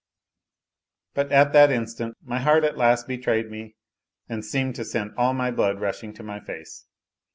" But at that instant my heart at last betrayed me and seemed to send all my blood rushing to my face.